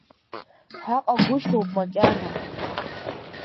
Ҳаҟагәышьоуп макьана…